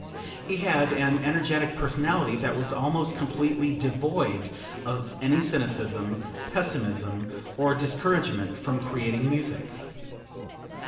He had an energetic personality that was almost completely devoid of any cynicism, pessimism or discouragement from creating music.